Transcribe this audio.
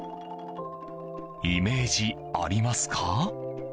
イメージありますか？